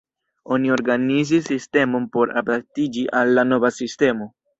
Oni organizis sistemon por adaptiĝi al la nova sistemo.